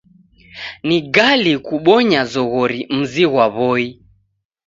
Ni gali kubonya zoghori mzi ghwa W'oi.